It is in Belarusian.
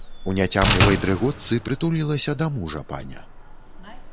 У няцямлівай дрыготцы прытулілася да мужа паня.